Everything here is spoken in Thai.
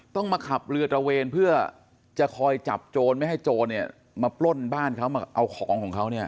ต้องมาขับเรือตระเวนเพื่อจะคอยจับโจรไม่ให้โจรเนี่ยมาปล้นบ้านเขามาเอาของของเขาเนี่ย